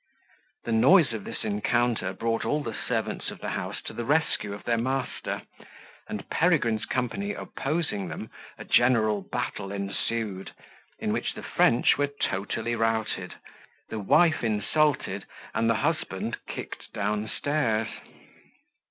The noise of this encounter brought all the servants of the house to the rescue of their master; and Peregrine's company opposing them, a general battle ensued, in which the French were totally routed, the wife insulted, and the husband kicked downstairs.